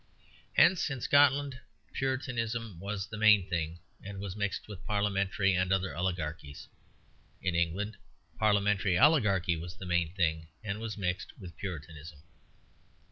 Hence in Scotland Puritanism was the main thing, and was mixed with Parliamentary and other oligarchies. In England Parliamentary oligarchy was the main thing, and was mixed with Puritanism.